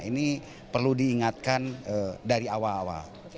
ini perlu diingatkan dari awal awal